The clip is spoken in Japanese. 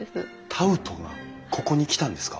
タウトがここに来たんですか？